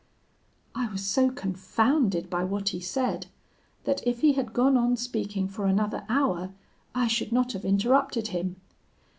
"I was so confounded by what he said, that if he had gone on speaking for another hour, I should not have interrupted him.